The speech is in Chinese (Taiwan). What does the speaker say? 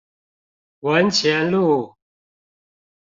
文前路